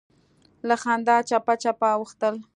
له خندا چپه چپه اوښتل.